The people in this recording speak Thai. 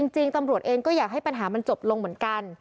จริงตำรวจเองก็อยากให้ปัญหามันจบลงเหมือนกัน